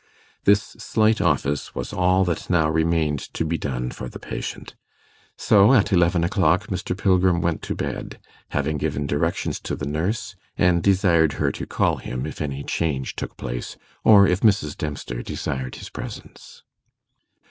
This slight office was all that now remained to be done for the patient; so at eleven o'clock Mr. Pilgrim went to bed, having given directions to the nurse, and desired her to call him if any change took place, or if Mrs. Dempster desired his presence.